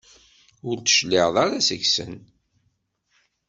Ur d-tecliɛem ara seg-sen.